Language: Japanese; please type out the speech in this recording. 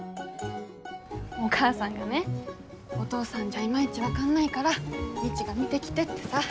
お母さんがねお父さんじゃいまいち分かんないから未知が見てきてってさ。